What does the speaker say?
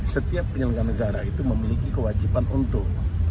setiap penyelenggara negara itu memiliki kewajiban untuk